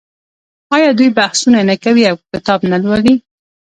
آیا دوی بحثونه نه کوي او کتاب نه لوالي؟